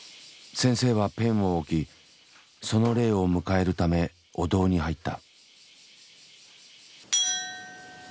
先生はペンを置きその霊を迎えるためお堂に入った。